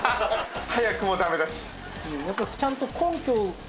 早くもダメ出し。